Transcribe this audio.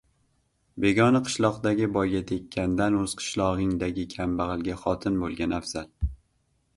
• Begona qishloqdagi boyga tekkandan o‘z qishlog‘ingdagi kambag‘alga xotin bo‘lgan afzal.